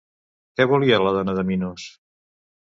Què volia la dona de Minos?